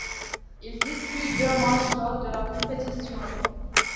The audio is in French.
Il dispute deux matchs lors de la compétition.